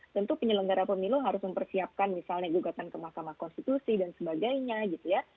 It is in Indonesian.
tentu penyelenggara pemilu harus mempersiapkan misalnya gugatan ke mahkamah konstitusi dan sebagainya gitu ya